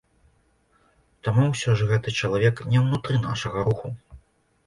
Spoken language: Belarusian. Таму ўсё ж гэта чалавек не ўнутры нашага руху.